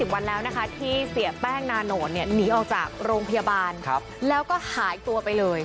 วันแล้วนะคะที่เสียแป้งนาโนดหนีออกจากโรงพยาบาลแล้วก็หายตัวไปเลย